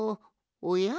おや？